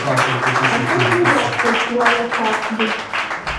Акырӡа иацлеит суалафахәгьы.